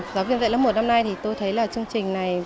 giáo viên dạy lớp một năm nay thì tôi thấy là chương trình này